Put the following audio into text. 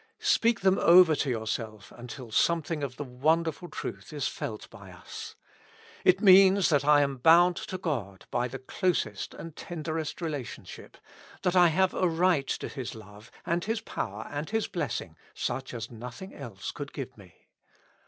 Speak them over to yourself until something of the wonderful truth is felt by us. It means that I am bound to God by the closest and 54 With Christ in the School of Prayer. tenderest relationship ; that I have a right to His love and His power and His blessing, such as nothing else could give me.